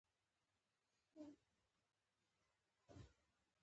سړي سر عاید د ملي عاید تابع ده.